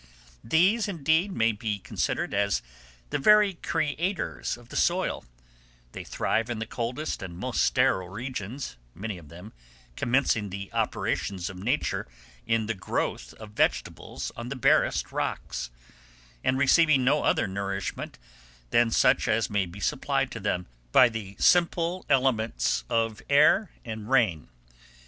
These, indeed, may be considered as the very creators of the soil: they thrive in the coldest and most sterile regions, many of them commencing the operations of nature in the growth of vegetables on the barest rocks, and receiving no other nourishment than such as may be supplied to them by the simple elements of air and rain.